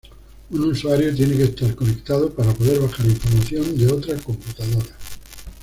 Un usuario tiene que estar conectado para poder bajar información de otra computadora.